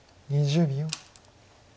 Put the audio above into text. ２０秒。